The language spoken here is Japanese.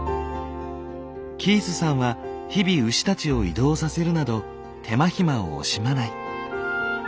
キースさんは日々牛たちを移動させるなど手間暇を惜しまない。